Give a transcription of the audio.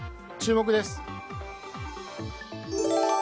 注目です。